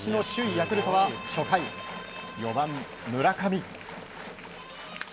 ヤクルトは初回４番、村上。